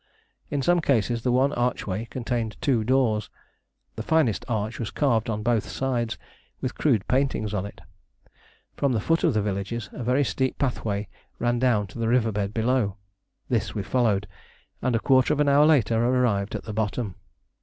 In some cases the one archway contained two doors. The finest arch was carved on both sides, with crude paintings on it. From the foot of the villages a very steep pathway ran down to the river bed below. This we followed, and a quarter of an hour later arrived at the bottom.